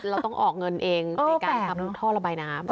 เราต้องออกเงินเองในการทำท่อระบายน้ำ